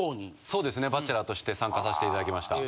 そうですねバチェラーとして参加させていただきました。